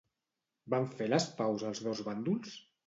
Van fer les paus els dos bàndols?